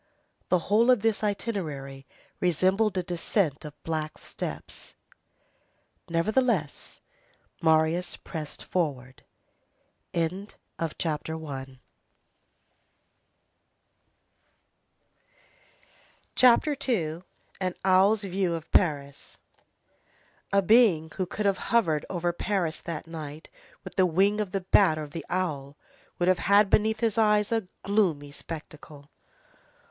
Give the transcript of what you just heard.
The whole of this itinerary resembled a descent of black steps. Nevertheless, Marius pressed forward. CHAPTER II—AN OWL'S VIEW OF PARIS A being who could have hovered over Paris that night with the wing of the bat or the owl would have had beneath his eyes a gloomy spectacle.